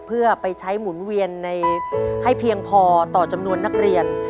เพื่อไปใช้หมุนเวียนให้เพียงพอต่อจำนวนนักเรียน